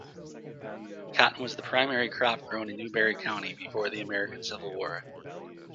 Cotton was the primary crop grown in Newberry County before the American Civil War.